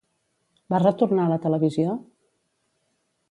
Va retornar a la televisió?